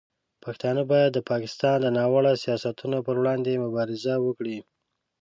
پښتانه باید د پاکستان د ناوړه سیاستونو پر وړاندې مبارزه وکړي.